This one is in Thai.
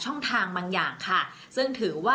ส่งผลทำให้ดวงชาวราศีมีนดีแบบสุดเลยนะคะ